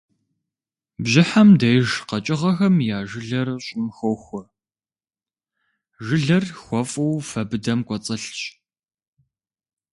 Бжьыхьэм деж къэкӏыгъэхэм я жылэр щӏым хохуэ, жылэр хуэфӏу фэ быдэм кӏуэцӏылъщ.